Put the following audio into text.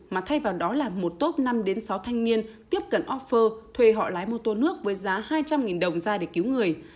mà thay vào đó là một top năm sáu thanh niên tiếp cận oxfor thuê họ lái mô tô nước với giá hai trăm linh đồng ra để cứu người